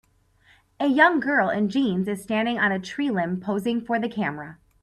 A young girl in jeans is standing on a tree limb posing for the camera.